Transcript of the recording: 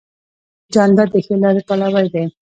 جانداد د ښې لارې پلوی دی.